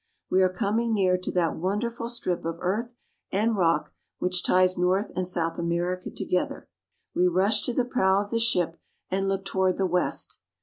We are coming near to that wonderful strip of earth and rock which ties North and South America together. We rush to the prow of the ship and look toward the west.